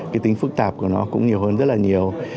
cái tính phức tạp của nó cũng nhiều hơn rất là nhiều